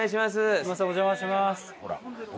すいませんお邪魔します。